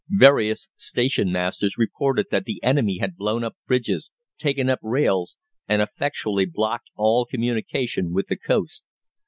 Various stationmasters reported that the enemy had blown up bridges, taken up rails, and effectually blocked all communication with the coast.